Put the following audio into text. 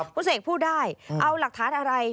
คุณเสกพูดได้เอาหลักฐานอะไร